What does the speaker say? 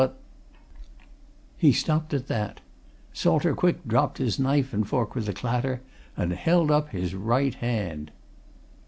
But " He stopped at that. Salter Quick dropped his knife and fork with a clatter, and held up his right hand.